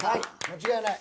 間違いない。